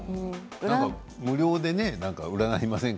無料で占いませんか？